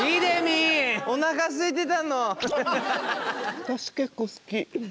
私結構好き。